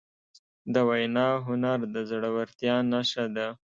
د وینا هنر د زړهورتیا نښه ده.